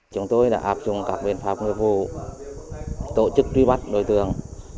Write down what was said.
chúng tôi đã áp dụng các biện pháp nghiệp vụ tổ chức truy bắt đối tượng